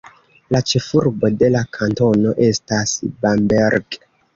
La ĉefurbo de la kantono estas Bamberg.